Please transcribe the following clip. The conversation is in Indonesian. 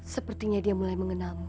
sepertinya dia mulai mengenamu